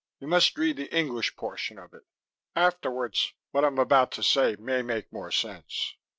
You must read the English portion of it. Afterwards, what I'm about to say may make more sense."